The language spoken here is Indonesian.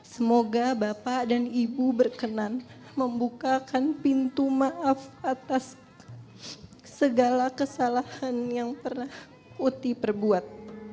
semoga bapak dan ibu berkenan membukakan pintu maaf atas segala kesalahan yang pernah uti perbuat